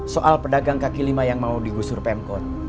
soal pedagang kaki lima yang mau digusur pemkot